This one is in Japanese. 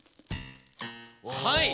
はい。